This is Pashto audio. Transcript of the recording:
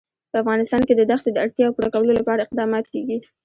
په افغانستان کې د دښتې د اړتیاوو پوره کولو لپاره اقدامات کېږي.